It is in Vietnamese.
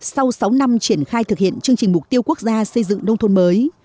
sau sáu năm triển khai thực hiện chương trình mục tiêu quốc gia xây dựng nông thôn mới